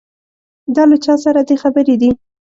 دا له چا سره دې خبرې دي.